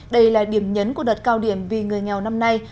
đây là điểm nhấn của đợt cao điểm vì người nghèo năm nay